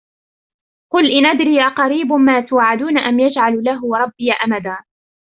قل إن أدري أقريب ما توعدون أم يجعل له ربي أمدا